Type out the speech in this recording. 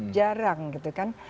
jarang gitu kan